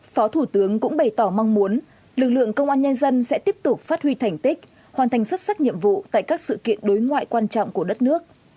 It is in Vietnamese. phó thủ tướng cũng bày tỏ mong muốn lực lượng công an nhân dân sẽ tiếp tục phát huy thành tích hoàn thành xuất sắc nhiệm vụ tại các sự kiện đối ngoại quan trọng của đất nước